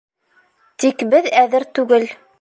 Тик беҙ әҙер түгел.